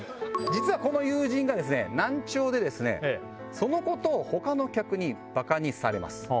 実はこの友人が難聴でそのことを他の客にバカにされます。